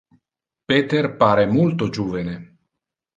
Peter pare multo juvene.